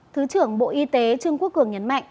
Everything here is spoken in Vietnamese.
thứ trưởng bộ y tế trương quốc cường nhấn mạnh